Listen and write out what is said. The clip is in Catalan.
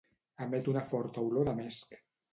Emet una forta olor de mesc.